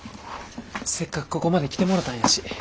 せっかくここまで来てもろたんやし。